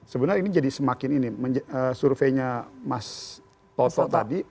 sebenarnya ini jadi semakin ini surveinya mas toto tadi